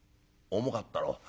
「重かったろう」。